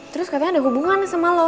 terus katanya ada hubungan sama lo